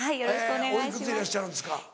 おいくつでいらっしゃるんですか。